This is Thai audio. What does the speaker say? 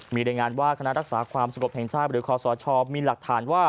มีรายงานว่าคณะรักษาความสงบแห่งชาติหรือคอสชมีหลักฐานว่า